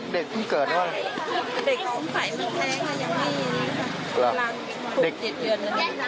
เด็กสมไสมัยแพงน่ะอยู่อยู่นี้